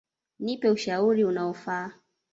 Nipe ushauri unaofa.